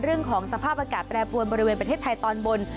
เรื่องของสภาพอากาศแปรปวนบริเวณประเทศไทยตอนบน